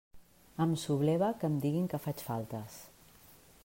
Em subleva que em diguin que faig faltes.